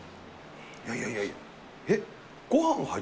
いやいやいや、えっ？